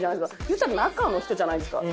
いったら中の人じゃないですか。